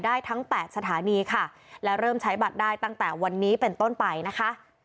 ทั้ง๘สถานีค่ะและเริ่มใช้บัตรได้ตั้งแต่วันนี้เป็นต้นไปนะคะ